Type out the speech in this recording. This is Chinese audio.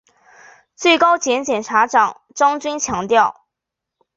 最高检检察长张军强调